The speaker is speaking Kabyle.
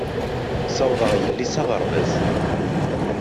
Ssawḍeɣ yelli s aɣerbaz.